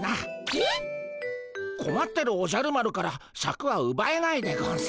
ピ？こまってるおじゃる丸からシャクはうばえないでゴンス。